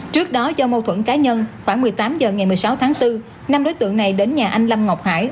trước đó do mâu thuẫn cá nhân khoảng một mươi tám h ngày một mươi sáu tháng bốn năm đối tượng này đến nhà anh lâm ngọc hải